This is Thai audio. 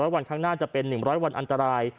วันข้างหน้าจะเป็น๑๐๐วันอันตราย